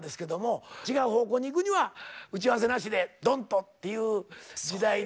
違う方向にいくには打ち合わせなしでドンとっていう時代に。